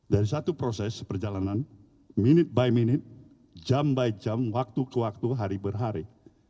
dari satu proses perjalanan by minute jam by jam waktu ke waktu hari per hari